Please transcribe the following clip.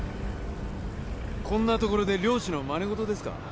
こんなところで漁師のまねごとですか？